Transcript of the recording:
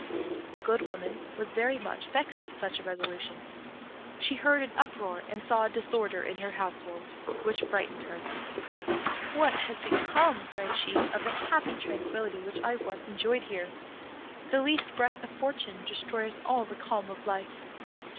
The Good Woman was very much vexed at such a resolution. She heard an uproar, and saw a disorder in her household, which frightened her. "What has become," cried she, "of the happy tranquillity which I once enjoyed here! The least breath of fortune destroys all the calm of life!"